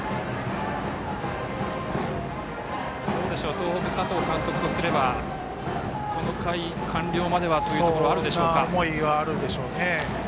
東北の佐藤監督からすればこの回完了まではというところはそんな思いはあるでしょうね。